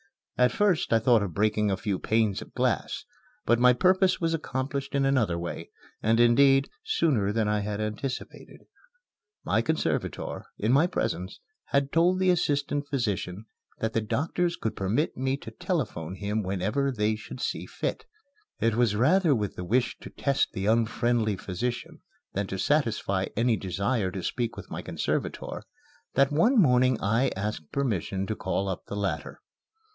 At first I thought of breaking a few panes of glass; but my purpose was accomplished in another way and, indeed, sooner than I had anticipated. My conservator, in my presence, had told the assistant physician that the doctors could permit me to telephone him whenever they should see fit. It was rather with the wish to test the unfriendly physician than to satisfy any desire to speak with my conservator that one morning I asked permission to call up the latter.